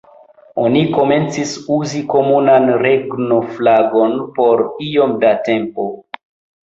Oni komencis uzi komunan regno-flagon por iom da tempo.